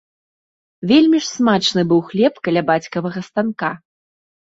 Вельмі ж смачны быў хлеб каля бацькавага станка.